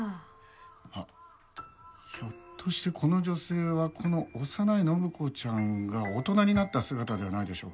あっひょっとしてこの女性はこの幼い展子ちゃんが大人になった姿ではないでしょうか？